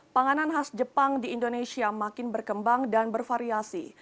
panganan khas jepang di indonesia makin berkembang dan bervariasi